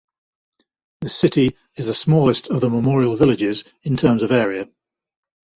The city is the smallest of the Memorial Villages in terms of area.